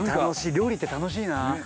料理って楽しいな。